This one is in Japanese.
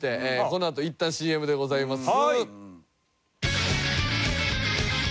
このあといったんＣＭでございます。